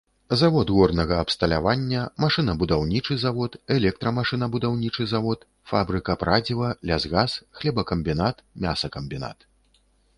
Завод горнага абсталявання, машынабудаўнічы завод, электрамашынабудаўнічы завод, фабрыка прадзіва, лясгас, хлебакамбінат, мясакамбінат.